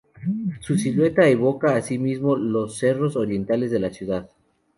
Su silueta evoca asimismo los cerros Orientales de la ciudad.